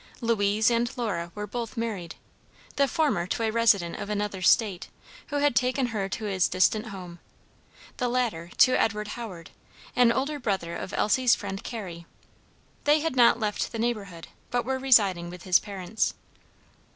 Louise and Lora were both married; the former to a resident of another State, who had taken her to his distant home; the latter to Edward Howard, an older brother of Elsie's friend Carrie. They had not left the neighborhood, but were residing with his parents.